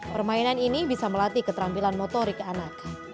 permainan ini bisa melatih keterampilan motorik anak